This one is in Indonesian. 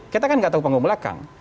kita kan nggak tahu panggung belakang